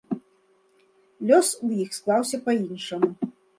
Лёс у іх склаўся па-іншаму.